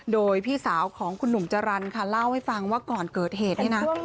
โดยพี่สาวของคุณหนุ่มจรรย์ค่ะเล่าให้ฟังว่าก่อนเกิดเหตุเนี่ยนะ